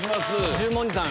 十文字さん